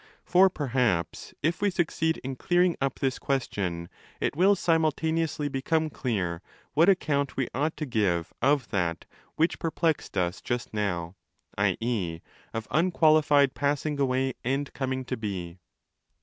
For perhaps, if we succeed in clearing up this question, it will simultaneously become clear what account we ought to give of that which perplexed us just now, i.e. of wxqualified passing away and coming to be.